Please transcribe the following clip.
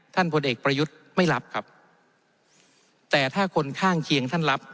พลเอกประยุทธ์ไม่รับครับแต่ถ้าคนข้างเคียงท่านรับ